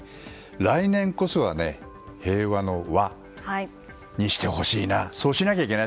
来年こそは平和の「和」にしてほしいな。